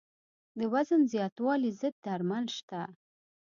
د وزن زیاتوالي ضد درمل شته.